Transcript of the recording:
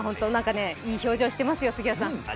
いい表情してますよ、杉谷さん。